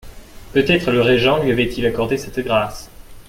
Peut-être le régent lui avait-il accordé cette grâce.